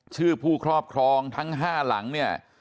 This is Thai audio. ผู้ครอบครองทั้ง๕หลังเนี่ย